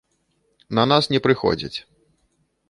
На нас не прыходзяць.